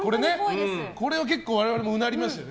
これは結構我々もうなりましたね。